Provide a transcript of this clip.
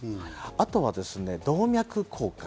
あとは動脈硬化。